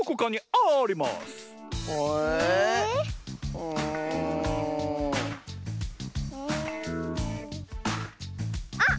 うん。あっ！